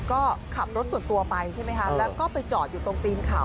แค่ก็ขับรถตัวไปใช่ไหมครับแล้วก็ไปจอดอยู่ตรงตีนเขา